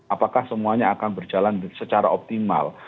apakah semuanya akan berjalan secara optimal